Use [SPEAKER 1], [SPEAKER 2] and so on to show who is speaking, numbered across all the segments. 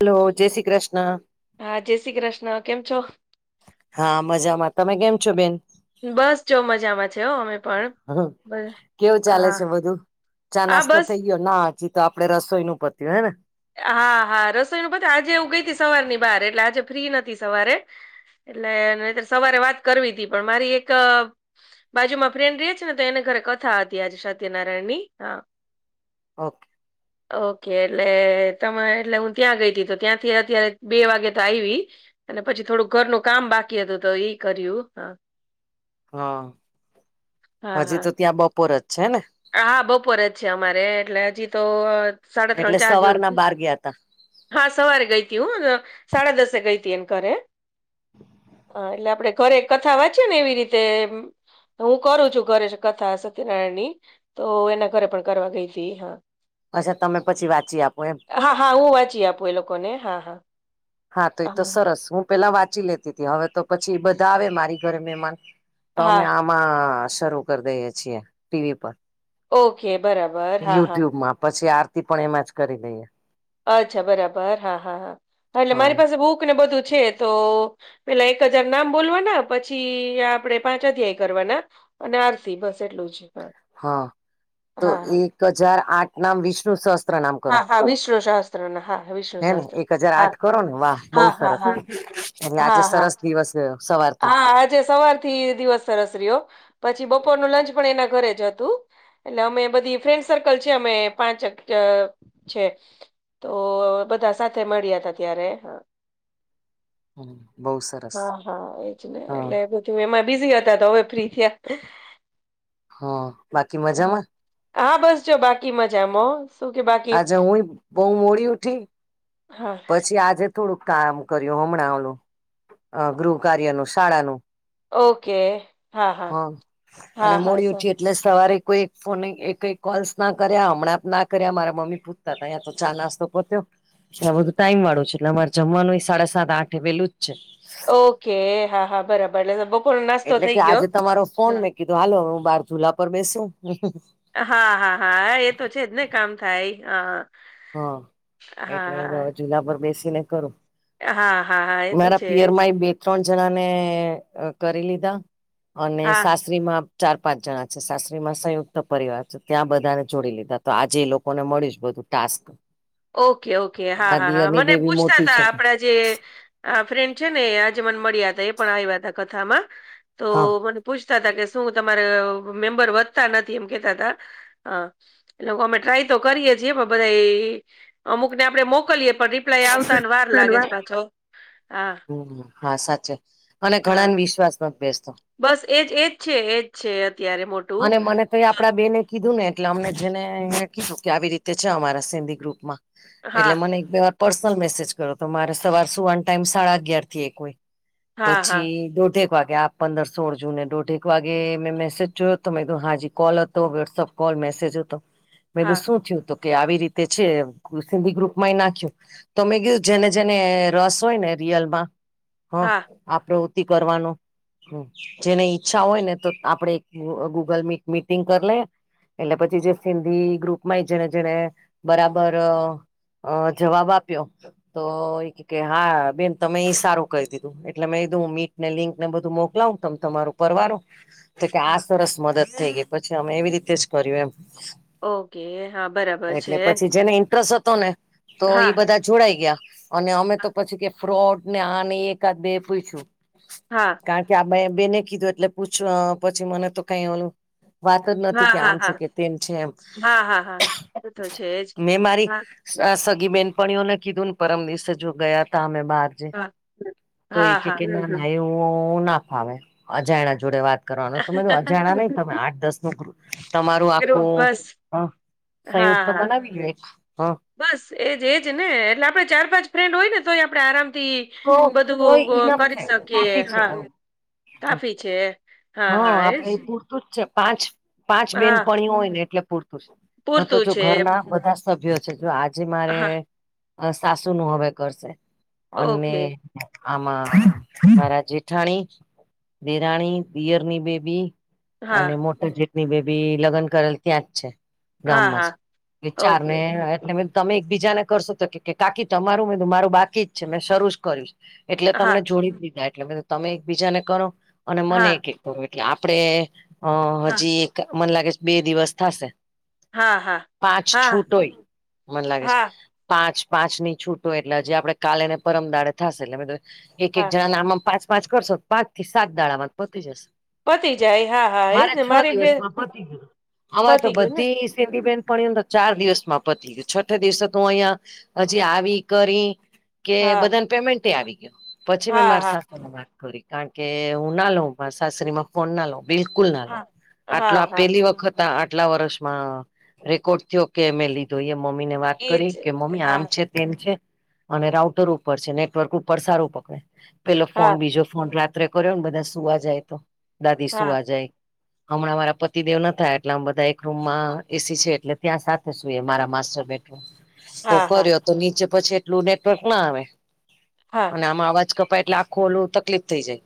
[SPEAKER 1] Hello જય શ્રી કૃષ્ણ.
[SPEAKER 2] હા જય શ્રી કૃષ્ણ કેમ છો.
[SPEAKER 1] હા મજામાં તમે કેમ છો બેન.
[SPEAKER 2] બસ જો મજામાં છે હો અમે પણ બ
[SPEAKER 1] કેવું ચાલે
[SPEAKER 2] હા.
[SPEAKER 1] છે બધું ચા
[SPEAKER 2] હા
[SPEAKER 1] નાસ્તો
[SPEAKER 2] બસ
[SPEAKER 1] થઇ ગયો ના હજી તો આપડે રસોઈ નું પત્યું હે ને.
[SPEAKER 2] હા હા રસોઈનું પધ આજે એવું ગઈ હતી સવારની બાર એટલે આજે ફ્રી નથી સવારે. એટલે નહીતર સવારે વાત કરવી તી પણ મારી એક બાજુમાં ફ્રેન્ડ રે છે, ને તો એને ઘરે કથા હતી આજે સત્યનારાયણ ની હા
[SPEAKER 1] ઓકે.
[SPEAKER 2] ઓકે લે. લે તમ આયા એટલે હું ત્યાં ગઈ તી તો ત્યાંથી અત્યારે બે વાગે તો આયવી. અને પછી થોડુંક ઘરનું કામ બાકી હતું તો એ કર્યું હ. હા
[SPEAKER 1] હા હજી
[SPEAKER 2] હા
[SPEAKER 1] તો ત્યાં બપોર જ છે ને.
[SPEAKER 2] હા બપોર જ છે અમારે એટલે હજી તો સડા
[SPEAKER 1] એટલે
[SPEAKER 2] ત્રણ ચાર જેવું
[SPEAKER 1] સવારના
[SPEAKER 2] થયું છે.
[SPEAKER 1] બાર ગયા તા
[SPEAKER 2] હા સવારે ગઈતી હું સાડા દસે ગઈતી એન ઘરે હ એટલે આપડે ઘરે કથા વાંચે ને એવી રીતે હું કરું છું ઘરે કથા સત્યનારાયણની તો એના ઘરે પણ કરવા ગઈ તી હા
[SPEAKER 1] અચ્છા તમે પછી વાંચી આપો એમ
[SPEAKER 2] હા હા હું વાંચી આપું એ લોકોને હા હા
[SPEAKER 1] હા તોય તો સરસ હું પેલા વાંચી લેતીતી હવે તો પછી એ બધા આવે મારી ઘરે મહેમાન તો મે
[SPEAKER 2] હા
[SPEAKER 1] આમાં શરૂ કરી દઈએ છીએ ટીવી પર
[SPEAKER 2] ઓકે બરાબર હા હા
[SPEAKER 1] યુટ્યુબમાં પછી આરતી પણ એમાં જ કરી લઈએ
[SPEAKER 2] અચ્છા બરાબર હા હા હા એટલે
[SPEAKER 1] હા
[SPEAKER 2] મારી પાસે બુક ને બધું છે, તો પેલા એક હજાર નામ બોલવાના પછી આપડે પાંચ અધ્યાય કરવાના અને આરસી બસ એટલું જ
[SPEAKER 1] હા તો
[SPEAKER 2] હા હા
[SPEAKER 1] એક હજાર આઠ નામ વિષ્ણુ સસ ત્ર નામ કરો
[SPEAKER 2] હા હા વિષ્ણુ શાસ્ત્ર ના હા વિષ્ણુ
[SPEAKER 1] હે ને
[SPEAKER 2] શાસ્ત્ર
[SPEAKER 1] એક હજાર
[SPEAKER 2] હા
[SPEAKER 1] આઠ કરો ને વાહ બહુ
[SPEAKER 2] હા હા
[SPEAKER 1] સરસ
[SPEAKER 2] હા
[SPEAKER 1] એટલે આજે
[SPEAKER 2] હા હા
[SPEAKER 1] સરસ દિવસ છે, સવાર
[SPEAKER 2] હા આજે સવારથી દિવસ સરસ રીયો પછી બપોરનું લંચ પણ એના ઘરે જ હતું એટલે અમે બધી ફ્રેન્ડ સર્કલ છે, અમે પાંચ છે. તો બધા સાથે મળ્યા હતા ત્યારે હ
[SPEAKER 1] હમ બઉ સ
[SPEAKER 2] હા હા એજ ને એટલે બધું એમાં બિઝી હતા તો હવે ફ્રી થયા
[SPEAKER 1] હ બાકી મજામાં?
[SPEAKER 2] હા બસ જો બાકી મજામ
[SPEAKER 1] આજે હું બો મોડી ઉઠી
[SPEAKER 2] હા
[SPEAKER 1] પછી આજે થોડુંક કામ કર્યું હમણાં ઓલું અ ગૃહકાર્યનું શાળાનું
[SPEAKER 2] ઓકે હા હા
[SPEAKER 1] હ અને
[SPEAKER 2] હા હા
[SPEAKER 1] મોડી
[SPEAKER 2] સર
[SPEAKER 1] ઉઠી એટલે સવારે કોઈ ફોન એકેય કોલ્સના કર્યા હમણાંના કર્યા મારા મમ્મી પુતતા હતા તો ચા નાસતો પતયો આ બધું ટાઈમ વાળું છે, એટલે અમારે જમવાનું એ સાડા સાત આઠ વેલું જ છે.
[SPEAKER 2] ઓકે હા હા બરાબર એટલે બપોર નાસ્તો
[SPEAKER 1] એટલે
[SPEAKER 2] થઇ
[SPEAKER 1] કે
[SPEAKER 2] ગયો
[SPEAKER 1] આજે તમારો ફોન
[SPEAKER 2] હા
[SPEAKER 1] મેં કીધું હાલો હું બાર ચુલા પર બેસુ
[SPEAKER 2] હા હા હા એ તો છે, જ ને કામ થાય હા
[SPEAKER 1] હા
[SPEAKER 2] હા
[SPEAKER 1] એટલે ત
[SPEAKER 2] હા
[SPEAKER 1] ચુલા પર બેસી ને કરું
[SPEAKER 2] હા હા હા એ તો
[SPEAKER 1] મારા
[SPEAKER 2] છે, જ
[SPEAKER 1] પિયરમાં એ બે ત્રણ જણા ને કરી લીધા અને
[SPEAKER 2] હા
[SPEAKER 1] સા સરીમાં ચાર પાંચ જણા છે, સાસ્ત્રીમાં સંયુક્ત પરિવાર છે, ત્યાં બધાને જોડી લીધા તો આજે એ લોકોને મળીશ બધું ટાસ્ક
[SPEAKER 2] ઓકે ઓકે હા
[SPEAKER 1] મારી
[SPEAKER 2] હા હા
[SPEAKER 1] દિયરની
[SPEAKER 2] મને
[SPEAKER 1] બેબી
[SPEAKER 2] પૂછતા
[SPEAKER 1] મોટી
[SPEAKER 2] તા
[SPEAKER 1] છે
[SPEAKER 2] આપડા જે આ ફ્રેન્ડ છે, ને આજ મન મળ્યા હતા એ પણ આવ્યા હતા કથામાં તો
[SPEAKER 1] હા
[SPEAKER 2] મન પૂછતા તા કે શું તમારે મેમ્બર વધતા નથી એમ કેતા તા અ એલોકો અમે ટ્રાય તો કરીએ છીએ પણ બધા અમુક ને આપડે મોકલીએ પણ રી
[SPEAKER 1] [inaudible]
[SPEAKER 2] હા
[SPEAKER 1] હમ હા સાચે અને
[SPEAKER 2] હા
[SPEAKER 1] ઘણાને વિશ્વાસમાં ન બેસતો
[SPEAKER 2] બસ એજ એજ છે, એજ છે, અત્યારે મો
[SPEAKER 1] અને મને તો એ આપડા બેને કીધું ને એટલે અમને જેને અયા કીધું કે આવી રીતે છે, અમારા સેંધી ગ્રુપમાં
[SPEAKER 2] હા
[SPEAKER 1] એટલે મને એક બે વાર પર્સનલ મેસેજ કર્યોતો મારે સવાર સુવાન ટાઈમ સાડા અગિયારથી એક હોય
[SPEAKER 2] હા હા
[SPEAKER 1] પછી દોઢેક વાગે આપ પંદર સોળ જૂને દોઢેક વાગે મેં મેસેજ જોયો મેં હાજી કોલ હતો વોટ્સઅપ કોલ મેસેજ હતો મેં
[SPEAKER 2] હા
[SPEAKER 1] શું થયું હત કે આવી રીતે છે સિંધી ગ્રુપમાં એ નાખ્યું. તો મે કીધું કે જેને જેને રસ હોય ને રિયલમાં. હ
[SPEAKER 2] હા
[SPEAKER 1] આપ પ્રવૃત્તિ કરવાનું જેને ઈચ્છા હોય ને તો આપણેે ગૂગલ મીટ મીટિંગ કર લયે. એટલે પછી જે સિંધી ગ્રુપમાંય છેને જેને બરાબર અ જવાબ આપ્યો. તો એ કેકે હા બેન તમે એ સારું કરી દીધું એટલે મેં કીધું મી લિંક ને બધું મોકલાવ તમે તમારૂ પરવારો. તો કે આ
[SPEAKER 2] હા
[SPEAKER 1] સરસ મદદ થઈ ગઈ પછી અમે એવી રીતે જ કર્યું એમ.
[SPEAKER 2] ઓકે હા બરાબર છે
[SPEAKER 1] એટલે પછી જેને ઇન્ટરેસ્ટ હતો ને તો
[SPEAKER 2] હા
[SPEAKER 1] એઈ બધા. જોડાઈ ગયા અને અમે તો
[SPEAKER 2] હા
[SPEAKER 1] પછી કે ફ્રોડ ને આને એકાદ બેે પૂઇછું.
[SPEAKER 2] હા.
[SPEAKER 1] કારણ કે આ બે બેને કીધું એટલે પૂછ પછી મને તો કઈ એનું વાત જ નથી કે
[SPEAKER 2] હા
[SPEAKER 1] આમ
[SPEAKER 2] હા
[SPEAKER 1] છે કે તેમ છે એમ
[SPEAKER 2] હા હા હા એ તો છે જ
[SPEAKER 1] મેં મારી
[SPEAKER 2] હા
[SPEAKER 1] સ સગી બેનપણીઓને કીધું ને પરમ દસે જો ગયા ત અમે બાર. જે
[SPEAKER 2] હા
[SPEAKER 1] તો એ
[SPEAKER 2] હા
[SPEAKER 1] કે
[SPEAKER 2] હા
[SPEAKER 1] કે ના ના એવું ના ફાવે અજાણ્યા જોડે વાત કરવાનો તો મે કીધું અજાણ્યા નહી તમે આઠ દસ નો ગ્રુપ તમારું
[SPEAKER 2] ગ્રુપ
[SPEAKER 1] આખું
[SPEAKER 2] બસ
[SPEAKER 1] હ
[SPEAKER 2] હા
[SPEAKER 1] સંયુક્ત
[SPEAKER 2] હા
[SPEAKER 1] બનાવી લિયો એક હ.
[SPEAKER 2] બસ એજ એજ ને એટલે આપડે ચાર પાંચ ફ્રેન્ડ હોય ને તોય આપડે આરામ થી.
[SPEAKER 1] તો તોય
[SPEAKER 2] બધું
[SPEAKER 1] ઇનફ
[SPEAKER 2] કરી
[SPEAKER 1] છે
[SPEAKER 2] શકીએ
[SPEAKER 1] કાફી છે
[SPEAKER 2] હા
[SPEAKER 1] એમ
[SPEAKER 2] કાફી છે.
[SPEAKER 1] હા આપણે એ પૂટ. પૂરતું જ છે પાંચ પાંચ
[SPEAKER 2] હા
[SPEAKER 1] બેનપણીઓ હોય ને એટલે પૂરતું છે ન તો જો ઘરના બધા સભ્યો છે જો આજે મારે
[SPEAKER 2] હા
[SPEAKER 1] સાસુ નું હવે કરશે અને.
[SPEAKER 2] ઓકે
[SPEAKER 1] આમાં મહારા જેઠાણી, દેરાણી દિયરની બેબી
[SPEAKER 2] હા
[SPEAKER 1] અને મોટા જેટની બેબી લગ્ન કરેલ ત્યાં જ છે.
[SPEAKER 2] હા
[SPEAKER 1] ગામમાં જ
[SPEAKER 2] હા
[SPEAKER 1] છે. એ ચાર
[SPEAKER 2] ઓકે
[SPEAKER 1] ને એટલે મે તમે એકબીજાને કરશો તો કે કાકી તમારું મે મારું બાકી જ છે મેં શરૂ જ કર્યું. એટલે
[SPEAKER 2] હા
[SPEAKER 1] તમને જોડી દીધા એટલે તમે એકબીજાને કરો અને મને
[SPEAKER 2] હા
[SPEAKER 1] એક. એટલે આપડે અ
[SPEAKER 2] હા
[SPEAKER 1] હજી એક મને લાગે છે બે દિવસ થાશે.
[SPEAKER 2] હા હા
[SPEAKER 1] પાંચ
[SPEAKER 2] હા
[SPEAKER 1] છૂટ હોય મન લાગે છે.
[SPEAKER 2] હા
[SPEAKER 1] પાંચ પાંચ ની છૂટો એટલે હજી આપણે કાલે ને પરમ દાડે થશે એટલે. એક એક
[SPEAKER 2] હા
[SPEAKER 1] જણાના આમાં પાંચ પાંચ કરશો પાંચ થી સાત દાડામાં પતી જશે.
[SPEAKER 2] પતી જાય હા હા એજ
[SPEAKER 1] મારે
[SPEAKER 2] ને
[SPEAKER 1] છ
[SPEAKER 2] મારી બે
[SPEAKER 1] દિવસમાં પતિ ગિયું. આમાં તો
[SPEAKER 2] પતી ગયું ને
[SPEAKER 1] બધી સિંધી બેનપણીઓ તો. ચાર દિવસ માં પતી ગયુ. છઠ દિવસે તું અહિયા હજી આવી કરી. કે
[SPEAKER 2] હા
[SPEAKER 1] બધાને પેમેન્ટ આવી ગયો પછી મેં
[SPEAKER 2] હા
[SPEAKER 1] મારી
[SPEAKER 2] હા
[SPEAKER 1] સાથે વારી કારણ કે હું ના લઉ. મા સાસરીમાં ફોન ના લવ બિલકુલ ના લવ
[SPEAKER 2] હા
[SPEAKER 1] આટલો
[SPEAKER 2] હા
[SPEAKER 1] આ
[SPEAKER 2] હા
[SPEAKER 1] પેલી વખત આટલા વર્ષમાં રેકોર્ડ થીયો કે એ લીધ લીધો મમ્મી ને વાત
[SPEAKER 2] એજ
[SPEAKER 1] કરી કે મમ્મી
[SPEAKER 2] હા
[SPEAKER 1] આમ છે તેમ છે અને રાઉટર ઉપર છે નેટવર્ક ઉપર સારું પકડે. પેલો
[SPEAKER 2] હા
[SPEAKER 1] ફોન બીજો ફોન રાત્રે કર્યો ને બધા સુવા જાય તો દાદી
[SPEAKER 2] હા
[SPEAKER 1] સુવા જાય. હમણાં મારા પતિદેવ ન એટલે આમ બધા એક રૂમમાં એસી છે એટલે. ત્યાં સાથે સુઈ મારા માસ્ટર બેઠ તો
[SPEAKER 2] હા હા
[SPEAKER 1] કર્યો તો નીચે પછી એટલું નેટવર્ક ના આવે.
[SPEAKER 2] હા.
[SPEAKER 1] અને આવા કપાય એટલે આખું ઓલું તકલીફ થઈ જાય.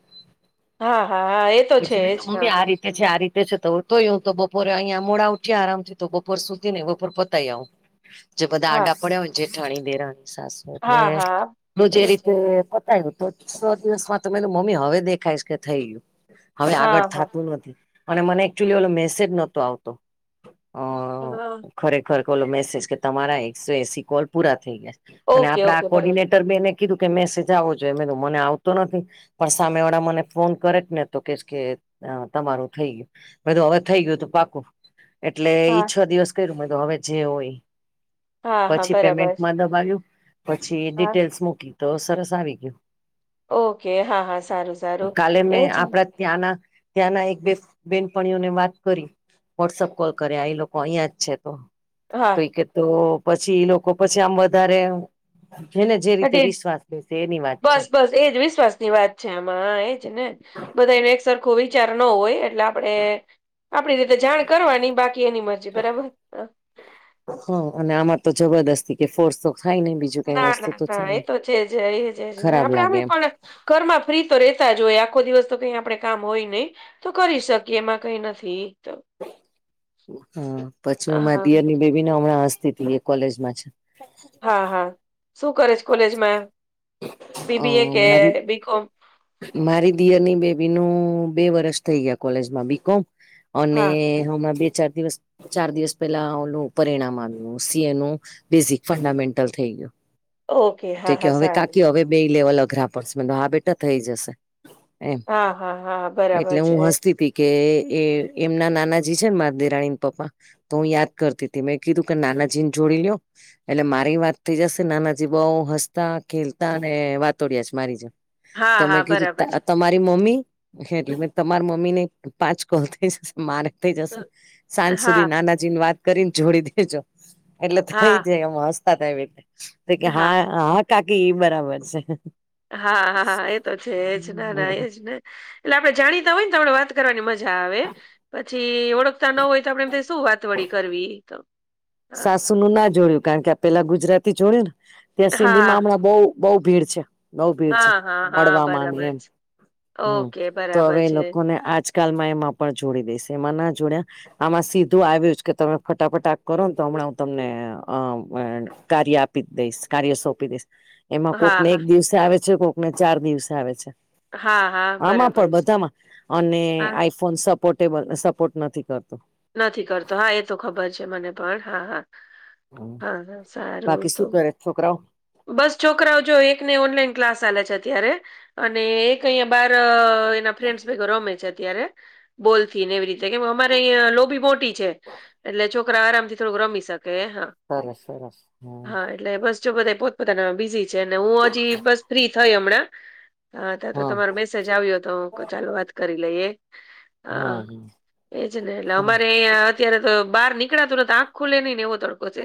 [SPEAKER 2] હા હા હા એ તો છે જ હા હા
[SPEAKER 1] કે છે આ રીતે છે તો તોય હ તો બપોરે અહીયા મોડા ઉઠ્યા આરામથી તો બપોર સુધ ને બપોર પતાય આવું. જે બધા
[SPEAKER 2] હા
[SPEAKER 1] આડા પડ્યા હોય જેઠાણી, દેરાણી, સાસુ. એટલે
[SPEAKER 2] હા હા હા
[SPEAKER 1] હું જે
[SPEAKER 2] એ છે
[SPEAKER 1] રીતે પતાયું તો સો દિવસમાં તો મે કીધું મમ્મી હવે દેખાયશ. કે થઈ ગયું હવે
[SPEAKER 2] હા
[SPEAKER 1] આગળ
[SPEAKER 2] હા
[SPEAKER 1] થતું નથી અને મને એકચુલી ઓલો મેસેજ નતો આવતો. અ
[SPEAKER 2] હા
[SPEAKER 1] ખરેખર ઓલો મેસેજ કે તમારા એકસો એસી કોલ પૂરા થઈ ગયા. અને
[SPEAKER 2] ઓકે
[SPEAKER 1] આપડે આ
[SPEAKER 2] ઓકે બરોબર
[SPEAKER 1] કોર્ડિનેટ તારી બેને કીધું કે મેસેજ આવવો જોઈએ એ મને આવતો નથી પણ સામે વાળા મને ફોન કરેક ને તો કે કે તમારું થઈ ગયું બધું હવે થઈ ગયું તો પાકું એટલે ઈ
[SPEAKER 2] હા
[SPEAKER 1] છ દિવસ કર્યું મે તો હવે જે હોય
[SPEAKER 2] હા હા
[SPEAKER 1] પછી
[SPEAKER 2] બરાબર
[SPEAKER 1] પેમેન્ટમાં દબાવ્યું પછી
[SPEAKER 2] હા
[SPEAKER 1] ડિટેલ્સ મૂકી તો સરસ આવી ગયું.
[SPEAKER 2] ઓકે હા હા સારું છે.
[SPEAKER 1] કાલે મેં આપડા ત્યાંના ત્યાંના એક બે બેનપણીઓને વાત કરી. વોટ્સઅપ કોલ કર્યા એ લોકો અહીયાં જ છે તો.
[SPEAKER 2] હા
[SPEAKER 1] તોઈ કે તો પછી લોકો પછી આમ વધારે. જેને જે રીતે
[SPEAKER 2] એટલે
[SPEAKER 1] વિશ્વાસ લેશે એની વાત છે
[SPEAKER 2] બસ બસ એજ વિશ્વાસ ની વાત છે આમાં એજ ને બધા એને એક સરખો વિચાર ન હોય એટલે આપણે આપડી રીતે જાણ કરવાની બાકી એની મરજી બરાબર
[SPEAKER 1] હ અને આમાં તો જબરદસ્તી કે ફોર્સ તો થાય ને બીજું કઈ
[SPEAKER 2] ના
[SPEAKER 1] વસ્તુ
[SPEAKER 2] ના
[SPEAKER 1] છે
[SPEAKER 2] ના એ
[SPEAKER 1] ને
[SPEAKER 2] તો છે જ એજ જ ને
[SPEAKER 1] ખરાબ
[SPEAKER 2] આપડે
[SPEAKER 1] લાગે
[SPEAKER 2] અમે
[SPEAKER 1] એમ
[SPEAKER 2] પણ- ઘરમાં ફ્રી તો રહેેતા જ હોય આખો દિવસ તો કઈ આપણે કામ હોય નહી. તો કરી શકીએ એમાં કઈ નથી. તો
[SPEAKER 1] હ પછી હું મા
[SPEAKER 2] હા
[SPEAKER 1] દિયરની બેબીને હમણાં હસ્તી એ કોલેજમાં છે.
[SPEAKER 2] હા હા શું કરે છે કોલેજમાં
[SPEAKER 1] અ
[SPEAKER 2] બીબીએ કે
[SPEAKER 1] મારી
[SPEAKER 2] બી કોમ?
[SPEAKER 1] મારી દીયરની બેબી ન બે વરષ થઈ ગયા કોલેજમાં બીકોમ અને
[SPEAKER 2] હા
[SPEAKER 1] હ હમણા બે ચાર દિવસ ચાર દિવસ પેલા ઓલું પરિણામ આવ્યું સી એ નું બેઝિક ફંડામેન્ટલ થઈ ગયું.
[SPEAKER 2] ઓકે
[SPEAKER 1] તો
[SPEAKER 2] હા
[SPEAKER 1] કે
[SPEAKER 2] હા
[SPEAKER 1] હવે
[SPEAKER 2] સારું
[SPEAKER 1] કાકી હવે બે લેવલ અઘરા પડશે મ હા બેટા થઈ જશે. એમ
[SPEAKER 2] હા હા હા બરાબર
[SPEAKER 1] એટલે
[SPEAKER 2] છે
[SPEAKER 1] હું હસ્તી પી કે એ એમના નાનાજી છે ને મા દેરાણી પપ્પા તો હું યાદ કરતી હતી મેં કીધું કે નાના જીન જોડી લો એટલે મારી વાત થઈ જશે નાના જબાઓ હસતા ખેલતા અને વાતોડિયા છે મારી જે
[SPEAKER 2] હા
[SPEAKER 1] તો
[SPEAKER 2] હા
[SPEAKER 1] મેં કીધું
[SPEAKER 2] બરાબર છે
[SPEAKER 1] તમારી મમ્મી એટલે મે તમારા મમ્મી ને પાંચ કોલ થઈ જશે મારે થઈ જશે સાંજ
[SPEAKER 2] હા
[SPEAKER 1] સુધી નાનાજી ને વાત કરીને જોડી દેજો. એટલે
[SPEAKER 2] હા
[SPEAKER 1] થઈ જ એમાં હસ્તા થ એટલે કે હા હ કાકી બરાબર છે.
[SPEAKER 2] હા હાા એ તો છે એજ ના ના એજ ને એટલે આપડે જાણીતા હોય ને તો આપણે વાત કરવાની મજા મજા આવે પછી ઓળખતા ન હોય તો આપેમ શું વાત વળી કરવી તો. હા.
[SPEAKER 1] સાસુ નું ના જોડ્યું કારણ કે પેલા ગુજરાતી જોડ્યું ને ત્યાં સિંધી માં
[SPEAKER 2] હા,
[SPEAKER 1] હમણાં બઉ બઉુ ભીડ છે. નવ ભીડ છે
[SPEAKER 2] હા, હા, હા,
[SPEAKER 1] મળવા માં
[SPEAKER 2] બરાબર
[SPEAKER 1] એમ
[SPEAKER 2] છે.
[SPEAKER 1] હમ
[SPEAKER 2] ઓકે,
[SPEAKER 1] તો
[SPEAKER 2] બરાબર
[SPEAKER 1] હવે એ
[SPEAKER 2] છે.
[SPEAKER 1] લોકો ને આજ. આજકાલમાં એમાં પણ જોડી દઈશ એમાં ના જોડયા આમાં સીધું આવ્યું કે તમે ફટાફટા કરો ને તો હમણાં હું તમને અ કાર્ય આપી દઈશ કાર્ય સોંપી દઈશ. એમાં કોક
[SPEAKER 2] હા,
[SPEAKER 1] ને
[SPEAKER 2] હા,
[SPEAKER 1] એક દિવસે આવે છે કોકને ચાર દિવસે આવે છે.
[SPEAKER 2] હા, હા,
[SPEAKER 1] આમાં
[SPEAKER 2] બરાબર
[SPEAKER 1] પણ
[SPEAKER 2] છે.
[SPEAKER 1] બધામાં અને
[SPEAKER 2] હા,
[SPEAKER 1] આઈ ફોન સપોર્ટેબલ સપોર્ટ નથી કરતો.
[SPEAKER 2] નથી કરતો હા એ તો ખબર છે મને પણ હા હા. હા હા સારું
[SPEAKER 1] બાકી
[SPEAKER 2] તો
[SPEAKER 1] શું કરે છોકરાઓ
[SPEAKER 2] બસ છોકરાઓ જો એકને ઓનલાઈન ક્લાસ ચાલે છે અત્યારે અને એક અહીંયા બાર એ ફ્રેન્ડ ભ રમે છે અત્યારે બોલ થી ને એવી રીતે કેમ અમારે અં લોબી મોટી. એટલે છોકરા આરામથી થોડુંક રમી શકે હા
[SPEAKER 1] સરસ સરસ હ
[SPEAKER 2] હા એટલે બસ. બધા પોતપતાના બિઝી છે અને હું હજી બસ ફ્રી થઈ હમણાં તો
[SPEAKER 1] હા
[SPEAKER 2] તમા જાવઓ તો ચાલુ વાત કરી લઈએ
[SPEAKER 1] હા
[SPEAKER 2] હ એજ ને. એટલે અમારે અત્યારે તો બહાર નીકળાતું ને તો આંખ ખુલે નઈ ને એવો છે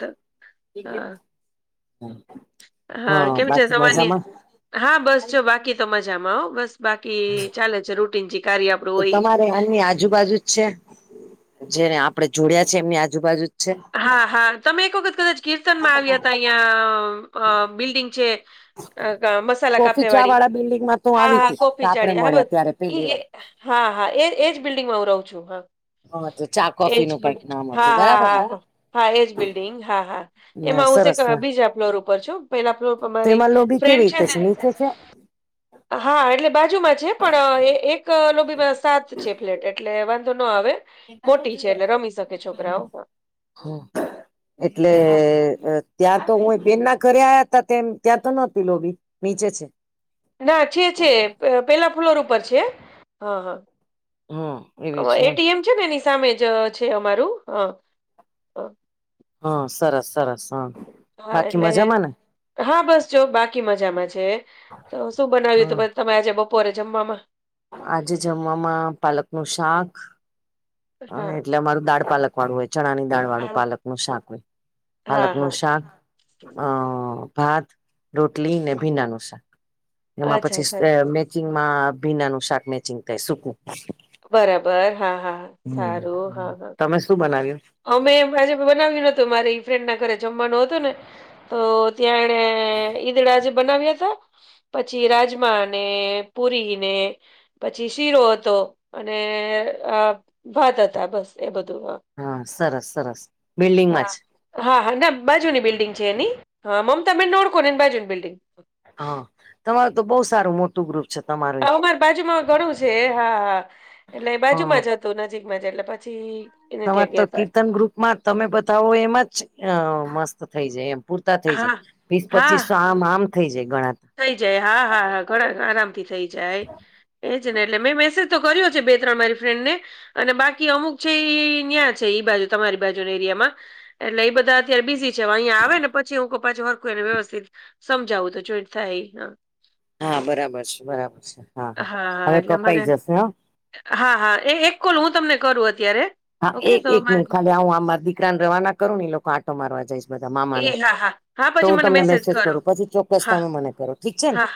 [SPEAKER 2] તો હા
[SPEAKER 1] હા
[SPEAKER 2] કેમ છે
[SPEAKER 1] બાકી
[SPEAKER 2] તમારી
[SPEAKER 1] મજામાં.
[SPEAKER 2] હા બસ જો બાકી તો મજામાં આવ બસ બાકી ચાલે છે રૂટીન કાર્ય આપ.
[SPEAKER 1] તો તમારે એમની આજુબાજુ જ છે જેને આપડણે જોડયા છે એમની આજુબાજુ જ છે.
[SPEAKER 2] હા હા તમે એક વખત કદાચ કીર્તનમાં આવ્યા હતા અહિયાયા બિલ્ડિંગ છે. અ મસાલા
[SPEAKER 1] કોફી
[SPEAKER 2] કાફે
[SPEAKER 1] ચા
[SPEAKER 2] વાળડી
[SPEAKER 1] વાળા બિલ્ડિંગમાં તો
[SPEAKER 2] હા
[SPEAKER 1] આવી
[SPEAKER 2] હા
[SPEAKER 1] હતી તો
[SPEAKER 2] કોફી
[SPEAKER 1] આપડે
[SPEAKER 2] ચાડીી હા બ.
[SPEAKER 1] મળ્યા ત્યારે પેલી વાર
[SPEAKER 2] હા હા એજ એજ બિલ્ડિંગમાં હું રહું છું હા.
[SPEAKER 1] હા તો ચા કોફી
[SPEAKER 2] એજ
[SPEAKER 1] નું
[SPEAKER 2] બ
[SPEAKER 1] કઈક નામ હતું
[SPEAKER 2] હા હા
[SPEAKER 1] બરાબર ને
[SPEAKER 2] હા હા એજ બિલ્ડિંગ હા હા.
[SPEAKER 1] ના
[SPEAKER 2] એમાં હું
[SPEAKER 1] સરસ
[SPEAKER 2] છે
[SPEAKER 1] હા
[SPEAKER 2] બીજ ફ્લોર ઉપર છું પહેલા ફ્લોર
[SPEAKER 1] તો
[SPEAKER 2] મારી
[SPEAKER 1] એમાં લોબી કેવી
[SPEAKER 2] ફ્રેન્ડ છે.
[SPEAKER 1] રીતે
[SPEAKER 2] ને
[SPEAKER 1] નીચે છે.
[SPEAKER 2] હા એટલે બાજુમાં છે પણ એક લોબીમાં સાત છે ફ્લેટ એટલે આવે મોટી છે એટલે રમી શકે છોકરાઓ
[SPEAKER 1] હ એટલે
[SPEAKER 2] હા
[SPEAKER 1] ત્યાં તો હું બેન ના ઘરે આયા હતા તેમ ત્યાં તો નહોતી લોબી નીચે છે.
[SPEAKER 2] ના છે છે પહેલા ફ્લોર ઉપર છે હા હા
[SPEAKER 1] હમ એવી
[SPEAKER 2] હ
[SPEAKER 1] છે એમ
[SPEAKER 2] એટીએમ છે ને એની સામે જ છે અમારું હ
[SPEAKER 1] હા સરસ સરસ હ
[SPEAKER 2] હા એટલે હા બસ જો બાકી મજામાં છે તો શું બનાવ્યું
[SPEAKER 1] હા
[SPEAKER 2] હતું? તમે આજે બપોરે જમવામાં
[SPEAKER 1] આજે જમવામાં પાલક નું શાક હા એટલે અમારું દાળ પાલક વાળું હોય ચણા ની દાળ વાળું
[SPEAKER 2] હા
[SPEAKER 1] પાલક નું શાક હોય પાલક
[SPEAKER 2] હા
[SPEAKER 1] નું
[SPEAKER 2] હા
[SPEAKER 1] શાક ભાત રોટલી ને ભીડા નું શાક એમાં
[SPEAKER 2] અચ્છા સર
[SPEAKER 1] પછી મેચિંગમાં ભીનાનું શાક મેચિંગ થાય ગયું
[SPEAKER 2] બરાબર હા હા.
[SPEAKER 1] હ
[SPEAKER 2] સારું હા હા.
[SPEAKER 1] તમે શું બનાવ્યું?
[SPEAKER 2] અમે આજે બનાવ્યું ન હતું મારી ફ્રેન્ડ ના ઘરે જમવાનું હતું ને તો ત્યાણે ઈદડા બનાવ્યા હતા. પછી રાજમાને પુરીને પછી શીરો હતો અને આ ભાત હતા બસ એ બધું
[SPEAKER 1] હા સરસ સરસ બિલ્ડિંગમાં જ
[SPEAKER 2] હા હા હા ના બાજુની બિલ્ડિંગ છે એની હા મમતા બેનને ઓળખો ને એ બાજુની બિલ્ડિંગ
[SPEAKER 1] હા તમારું તો બહુ સારું મોટું ગ્રુપ છે તમારું ઈ.
[SPEAKER 2] માર બાજુમાં ઘણું છે હા હા એટલે
[SPEAKER 1] હા
[SPEAKER 2] બાજુમાં જ તો નજીકમાં જ એટલે પછી એને
[SPEAKER 1] તમારે
[SPEAKER 2] ત્યાં
[SPEAKER 1] તો
[SPEAKER 2] ગયા તા
[SPEAKER 1] કીર્તન ગ્રુપમાં તમે બતાવો એમાં જ મસ્ત થઈ જાય એમ પૂરતા થઈ
[SPEAKER 2] હા
[SPEAKER 1] જાય વીસ
[SPEAKER 2] હા
[SPEAKER 1] પચીસો આમ આમ થઇ જાય ગણા
[SPEAKER 2] થઈ જાય હા હા હા ઘણા આરામ થી થઇ જાય એજ ને એટલે મેં મેસેજ તો કર્યો છે બે ત્રણ મારી ફ્રેન્ડ ને અને બાકી અમુક છે એ ન્યાં છે ઈ બાજુ તમારી બાજુ એરિયામાં એટલે એ બધા અત્યારે બીઝી છે હવે અહંયા આવે ને પછી હું પાછું ફરખું એને વ્યવસ્થિત સમજાવું તો જોઈ થાય હ
[SPEAKER 1] હા બરાબર છે બરાબર છે હા હા હવે કપાઈ જશે હા.
[SPEAKER 2] હા હા એ એક કોલ હું તમને કરું અત્યારે.
[SPEAKER 1] હા
[SPEAKER 2] ઓકે
[SPEAKER 1] એક
[SPEAKER 2] તો
[SPEAKER 1] એક મિનિટ
[SPEAKER 2] મારે
[SPEAKER 1] ખાલી હું આ દીકરાને રવાના કરું ને એ લોકો આટો મારવા જાય છે બધા મામાને
[SPEAKER 2] એ હા હા હા
[SPEAKER 1] તો
[SPEAKER 2] પછી
[SPEAKER 1] હું
[SPEAKER 2] મને
[SPEAKER 1] તમને મેસેજ
[SPEAKER 2] કરો
[SPEAKER 1] કરું પછી ચોક્કસ
[SPEAKER 2] હા
[SPEAKER 1] તમે મને કરો ઠીક છે ને.
[SPEAKER 2] હા